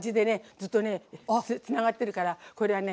ずっとねつながってるからこれはね